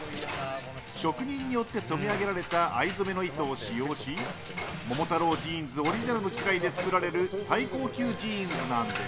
職人によって染め上げられた藍染めの糸を使用し桃太郎ジーンズオリジナルの機械で作られる最高級ジーンズなんです。